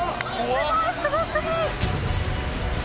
すごいすごすぎ！